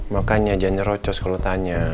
makanya jangan nyerocos kalo tanya